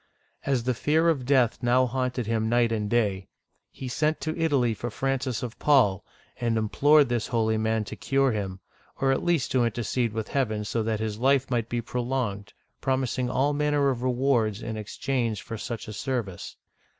As the fear of death now haunted him night and day, he sent to Italy for Francis of Paul, and implored this holy man to cure him, or at least to intercede with heaven so that his life might be prolonged, promising all manner of rewards in exchange for such a service.